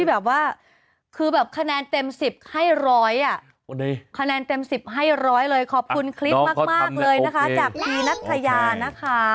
แบบว่าคือแบบคะแนนเต็ม๑๐ให้ร้อยอ่ะคะแนนเต็ม๑๐ให้ร้อยเลยขอบคุณคลิปมากเลยนะคะจากพีนัทยานะคะ